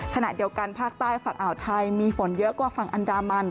ขณะเดียวกันภาคใต้ฝั่งอ่าวไทยมีฝนเยอะกว่าฝั่งอันดามัน